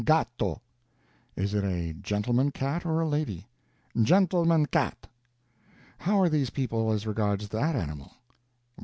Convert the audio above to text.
"Gatto." "Is it a gentleman cat, or a lady?" "Gentleman cat." "How are these people as regards that animal?"